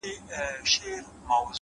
زړه مي در سوځي چي ته هر گړی بدحاله یې’